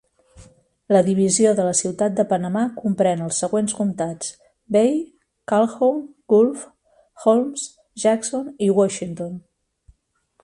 La Divisió de la Ciutat de Panamà comprèn els següents comtats: Bay, Calhoun, Gulf, Holmes, Jackson i Washington.